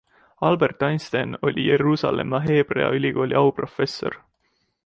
Albert Einstein oli Jeruusalemma Heebrea ülikooli auprofessor.